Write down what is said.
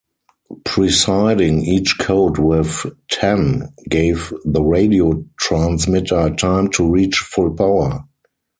Preceding each code with "ten-" gave the radio transmitter time to reach full power.